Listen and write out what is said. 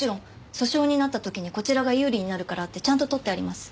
訴訟になった時にこちらが有利になるからってちゃんと取ってあります。